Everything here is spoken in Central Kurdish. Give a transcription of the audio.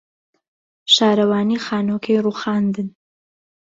شارەوانی خانووەکەی رووخاندن.